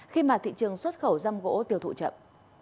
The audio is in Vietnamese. khi mà thị trường xuất khẩu răm gỗ tiêu thụ chậm